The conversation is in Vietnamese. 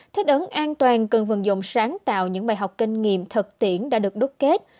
thích ấn an toàn cần vận dụng sáng tạo những bài học kinh nghiệm thực tiễn đã được đúc kết